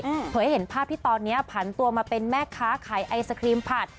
เผยให้เห็นภาพที่ตอนเนี้ยผันตัวมาเป็นแม่ค้าขายไอศครีมผัด